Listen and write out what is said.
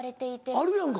あるやんか。